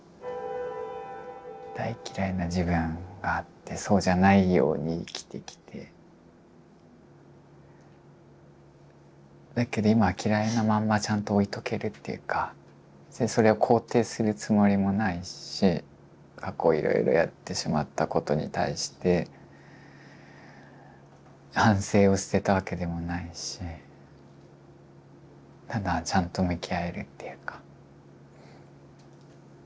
大嫌いな自分があってそうじゃないように生きてきてだけど今嫌いなまんまちゃんと置いとけるっていうかそれを肯定するつもりもないし過去いろいろやってしまったことに対して反省を捨てたわけでもないしただちゃんと向き合えるっていうか。